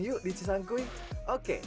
yuk di cisangkui oke